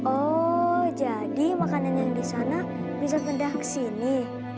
oh jadi makanan yang di sana bisa pindah ke sini